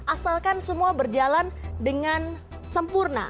asalkan semua berjalan dengan sempurna